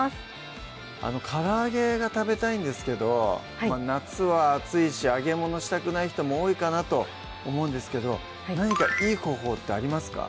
から揚げが食べたいんですけど夏は暑いし揚げ物したくない人も多いかなと思うんですけど何かいい方法ってありますか？